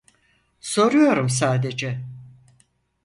Soruyorum sadece.